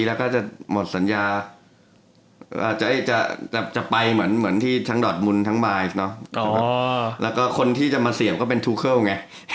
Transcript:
แล้วก็คนที่จะมาเสี่ยมก็เป็นทูเคิลไง